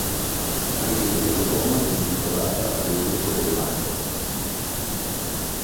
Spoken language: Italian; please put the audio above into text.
Anche una via di Roma è intitolata ad Enrico Dell'Acqua.